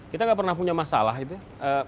kita gak pernah punya masalah gitu ya